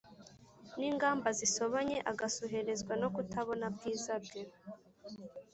ningamba zisobanye agasuherezwa no kutabona bwiza bwe.